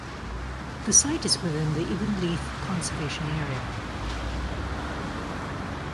The site is within the Inverleith conservation area.